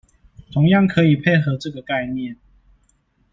同樣可以配合這個概念